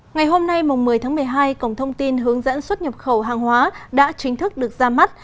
ngày hôm nay một mươi tháng một mươi hai cổng thông tin hướng dẫn xuất nhập khẩu hàng hóa đã chính thức được ra mắt